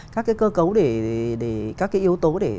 các cái cơ cấu để các cái yếu tố để